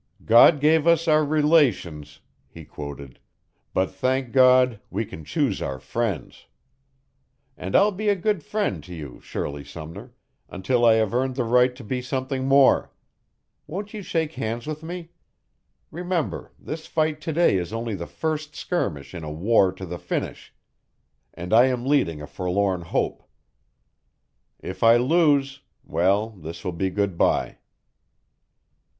"'God gave us our relations,'" he quoted, "'but thank God, we can choose our friends.' And I'll be a good friend to you, Shirley Sumner, until I have earned the right to be something more. Won't you shake hands with me? Remember, this fight to day is only the first skirmish in a war to the finish and I am leading a forlorn hope. If I lose well, this will be good bye."